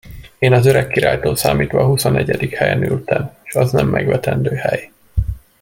Én az öreg királytól számítva a huszonegyedik helyen ültem, s az nem megvetendő hely!